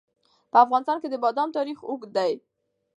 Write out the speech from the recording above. په افغانستان کې د بادام تاریخ اوږد دی.